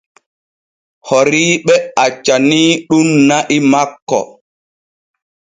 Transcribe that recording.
Horiiɓe accaniiɗun na'i makko.